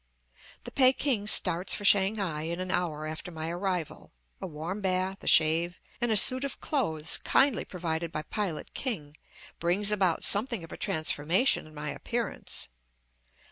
The Peking starts for Shanghai in an hour after my arrival; a warm bath, a shave, and a suit of clothes, kindly provided by pilot King, brings about something of a transformation in my appearance.